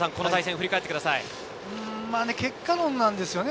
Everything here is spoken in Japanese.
結果論なんですよね。